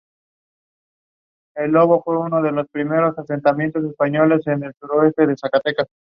Los siguiente álbumes corresponden a las ediciones holandesas.